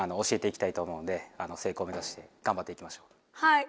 はい！